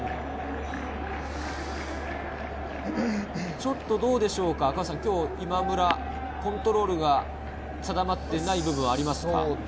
ちょっとどうでしょうか、ちょっと今村コントロールが定まってない部分はありますか？